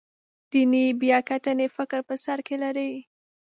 دیني بیاکتنې فکر په سر کې لري.